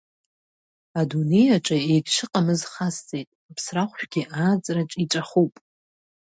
Адунеи аҿы егьшыҟамыз хасҵеит, аԥсрахәшәгьы ааҵраҿ иҵәахуп.